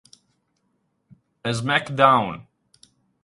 A Smackdown!